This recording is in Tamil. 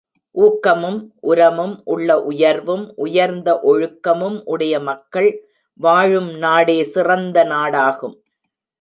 ஊக்கமும், உரமும், உள்ள உயர்வும், உயர்ந்த ஒழுக்கமும் உடைய மக்கள் வாழும் நாடே சிறந்த நாடாகும்.